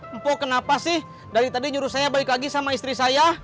empo kenapa sih dari tadi nyuruh saya balik lagi sama istri saya